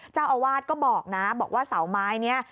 เจ้าอาวาสก็บอกนะบอกว่าเสาไม้นี้